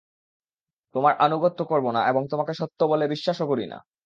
তোমার আনুগত্য করব না এবং তোমাকে সত্য বলে বিশ্বাসও করি না।